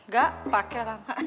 gak pake lama